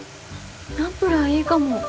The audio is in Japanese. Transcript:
ナンプラーいいかも。